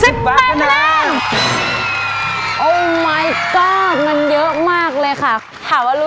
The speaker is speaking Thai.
เสียใจด้วยนะครับมีอะไรอยากจะพูดกับกรรมการไหม